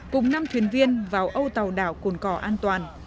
cùng năm thuyền viên vào âu tàu đảo cồn cỏ an toàn